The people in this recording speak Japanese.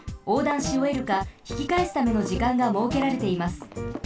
しおえるかひきかえすための時間がもうけられています。